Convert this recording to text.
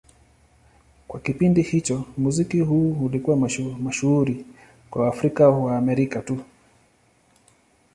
Kwa kipindi hicho, muziki huu ulikuwa mashuhuri kwa Waafrika-Waamerika tu.